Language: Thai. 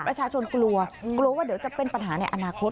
ประชาชนกลัวกลัวว่าเดี๋ยวจะเป็นปัญหาในอนาคต